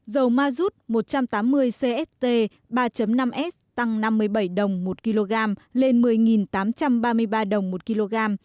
dầu mazut một trăm tám mươi cst ba năm s tăng năm mươi bảy đồng một kg lên một mươi tám trăm ba mươi ba đồng một kg